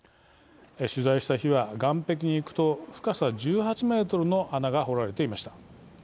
取材した日は岸壁に行くと深さ１８メートルの穴が掘られていました。